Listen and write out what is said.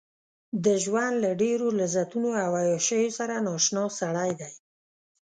د ژوند له ډېرو لذتونو او عياشيو سره نااشنا سړی دی.